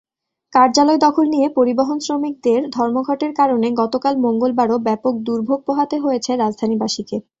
কার্যালয় দখল নিয়ে পরিবহনশ্রমিকদের ধর্মঘটের কারণে গতকাল মঙ্গলবারও ব্যাপক দুর্ভোগ পোহাতে হয়েছে রাজধানীবাসীকে।